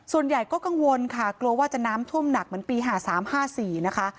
ส่วนใหญ่ก็กังวลค่ะกลัวว่าจะน้ำท่วมหนักเหมือนปี๕๓๕๔นะคะ